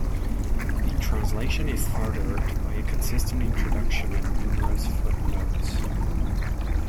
The translation is furthered by a consistent introduction and numerous footnotes.